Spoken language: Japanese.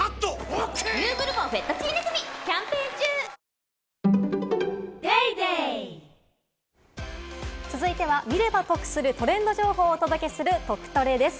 ニトリ続いては見れば得するトレンド情報をお届けする「トクトレ」です。